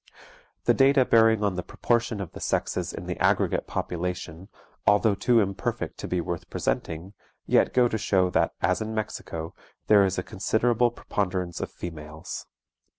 The data bearing on the proportion of the sexes in the aggregate population, although too imperfect to be worth presenting, yet go to show that, as in Mexico, there is a considerable preponderance of females.